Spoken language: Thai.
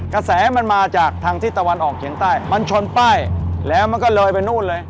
กระแสมันมาจากทางที่ตะวันออกเฉียงใต้มันชนป้ายแล้วมันก็เลยไปนู่นเลย